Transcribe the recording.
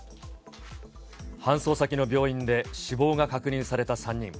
搬送先の病院で、死亡が確認された３人。